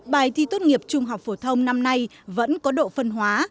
bài thi tốt nghiệp trung học phổ thông năm nay vẫn có độ phân hóa